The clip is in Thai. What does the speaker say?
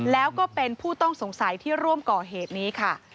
แล้วก็เป็นผู้ต้องสงสัยที่ร่วมก่อเหตุนี้ค่ะ